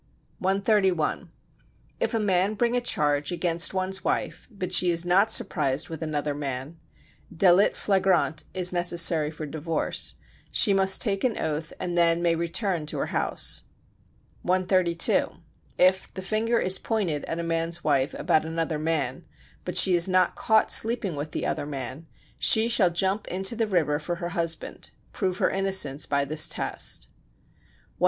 131. If a man bring a charge against one's wife, but she is not surprised with another man [delit flagrant is necessary for divorce], she must take an oath and then may return to her house. 132. If the "finger is pointed" at a man's wife about another man, but she is not caught sleeping with the other man, she shall jump into the river for her husband [prove her innocence by this test]. 133.